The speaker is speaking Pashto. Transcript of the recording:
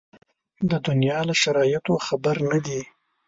د دنیا له شرایطو خبر نه دي.